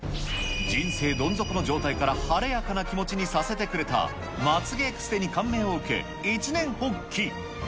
人生どん底の状態から晴れやかな気持ちにさせてくれた、まつげエクステに感銘を受け、一念発起。